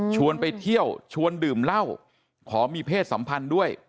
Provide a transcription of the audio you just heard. ไปเที่ยวชวนดื่มเหล้าขอมีเพศสัมพันธ์ด้วย